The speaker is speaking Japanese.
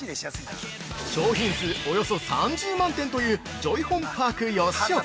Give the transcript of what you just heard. ◆商品数およそ３０万点というジョイホンパーク吉岡。